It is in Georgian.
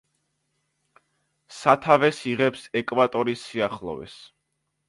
სათავეს იღებს ეკვატორის სიახლოვეს.